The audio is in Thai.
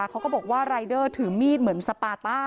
แล้วก็มาก่อเหตุอย่างที่คุณผู้ชมเห็นในคลิปนะคะ